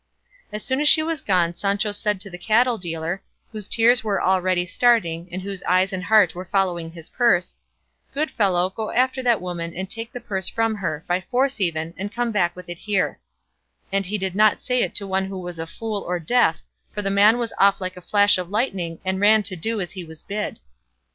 As soon as she was gone Sancho said to the cattle dealer, whose tears were already starting and whose eyes and heart were following his purse, "Good fellow, go after that woman and take the purse from her, by force even, and come back with it here;" and he did not say it to one who was a fool or deaf, for the man was off like a flash of lightning, and ran to do as he was bid.